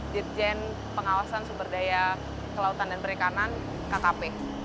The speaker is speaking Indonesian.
dirjen pengawasan sumberdaya kelautan dan perikanan kkp